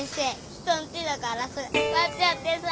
人んちのガラス割っちゃってさ。